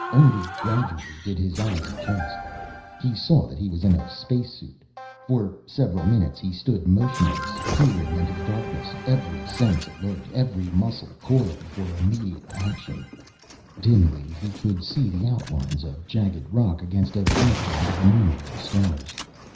Only gradually did his eyes adjust. He saw that he was in a spacesuit. For several minutes he stood motionless, peering into the darkness, every sense alert, every muscle coiled for immediate action. Dimly he could see the outlines of jagged rock against a background of innumerable stars.